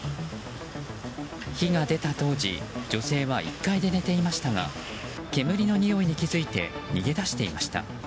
火が出た当時女性は１階で寝ていましたが煙のにおいに気付いて逃げ出していました。